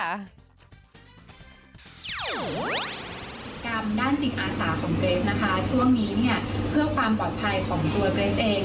กรรมด้านจิตอาสาของเกรทนะคะช่วงนี้เนี่ยเพื่อความปลอดภัยของตัวเกรสเอง